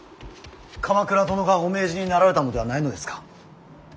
鎌倉殿がお命じになられたのではないのですか。